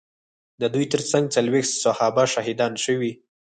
د دوی ترڅنګ څلوېښت صحابه شهیدان شوي.